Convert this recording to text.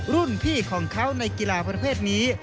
รุ่นพี่ของเขาในกีฬาประเภทนี้